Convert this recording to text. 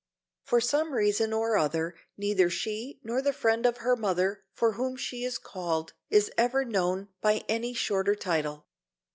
For some reason or other neither she nor the friend of her mother for whom she is called is ever known by any shorter title.